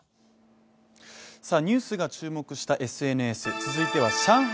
ニュースが注目したＳＮＳ、続いては上海